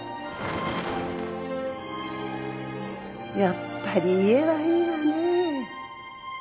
やっぱり家はいいわねぇ。